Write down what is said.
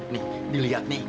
nih diliat nih